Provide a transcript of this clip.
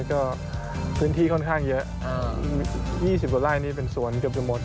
ก็พื้นที่ค่อนข้างเยอะ๒๐กว่าไร่นี่เป็นสวนเกือบจะหมด